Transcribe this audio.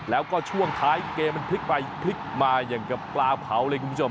แล้วก็ช่วงท้ายเกมมันพลิกไปพลิกมาอย่างกับปลาเผาเลยคุณผู้ชม